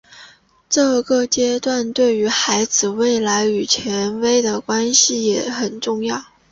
这个阶段对于孩子未来与权威的关系也很重要。